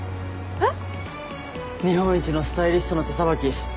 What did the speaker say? えっ？